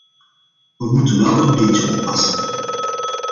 We moeten wel een beetje oppassen.